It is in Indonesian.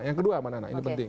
yang kedua mana anak ini penting